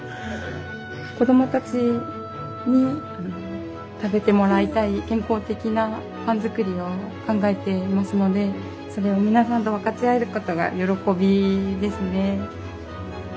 子供たちに食べてもらいたい健康的なパン作りを考えていますのでそれを皆さんと分かち合えることが喜びですね。